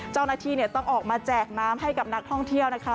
เจ้าหน้าที่ต้องออกมาแจกน้ำให้กับนักท่องเที่ยวนะคะ